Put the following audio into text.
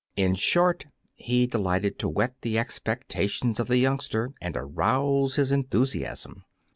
In short, he delighted to whet the expectations of the youngster, and arouse his enthusiasm.